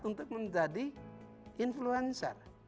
untuk menjadi influencer